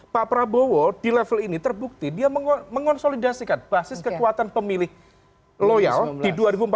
pak prabowo di level ini terbukti dia mengonsolidasikan basis kekuatan pemilih loyal di dua ribu empat belas